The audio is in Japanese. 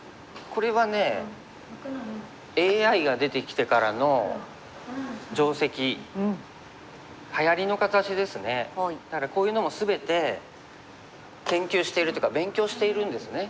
これはねＡＩが出てきてからのだからこういうのも全て研究してるっていうか勉強しているんですね。